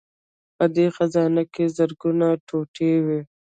په دې خزانه کې زرګونه ټوټې وې